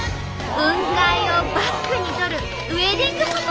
雲海をバックに撮るウエディングフォトも大人気。